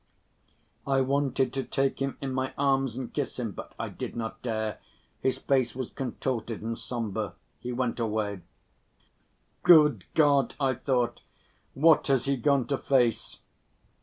I wanted to take him in my arms and kiss him, but I did not dare—his face was contorted and somber. He went away. "Good God," I thought, "what has he gone to face!"